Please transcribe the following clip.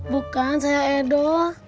bukan saya edo